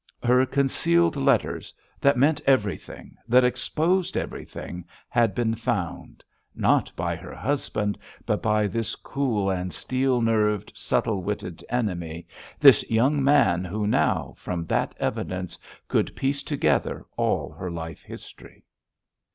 Her concealed letters, that meant everything, that exposed everything, had been found—not by her husband—but by this cool and steel nerved, subtle witted enemy—this young man who now, from that evidence, could piece together all her life history.